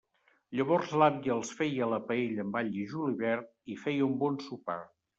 Llavors l'àvia els feia a la paella amb all i julivert, i feia un bon sopar.